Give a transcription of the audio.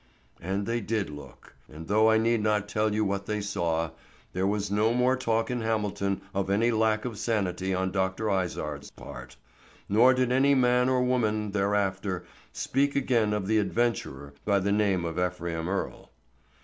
And they did look, and though I need not tell you what they saw, there was no more talk in Hamilton of any lack of sanity on Dr. Izard's part, nor did any man or woman there after speak again of the adventurer by the name of Ephraim Earle.